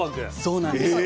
そうなんですよ。